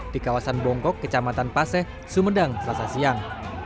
di kawasan bongkok kecamatan paseh sumedang selasa siang